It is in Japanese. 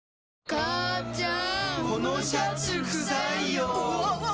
母ちゃん！